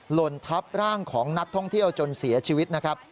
หล่นทับร่างของนักท่องเที่ยวจนเสียชีวิตนะครับ